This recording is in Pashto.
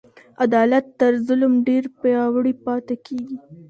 عدالت تر ظلم ډیر پیاوړی پاته کیږي.